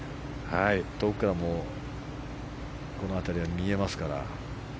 遠くからもこの辺りは見えますから。